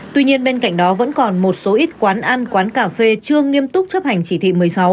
tuy nhiên bên cạnh đó vẫn còn một số ít quán ăn quán cà phê chưa nghiêm túc chấp hành chỉ thị một mươi sáu